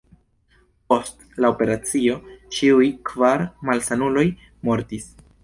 Post la operacio ĉiuj kvar malsanuloj mortis.